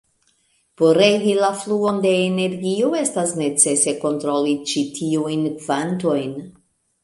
Por regi la fluon de energio estas necese kontroli ĉi tiujn kvantojn.